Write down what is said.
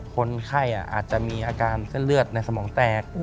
คนไข้อาจจะมีอาการเส้นเลือดในสมองแตก